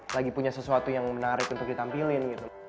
lagi punya sesuatu yang menarik untuk ditampilin